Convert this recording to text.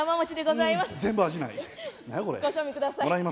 ご賞味ください。